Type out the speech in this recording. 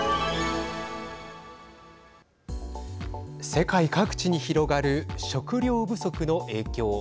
世界各地に広がる食糧不足の影響。